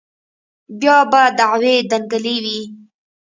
بيا به دعوې دنگلې وې.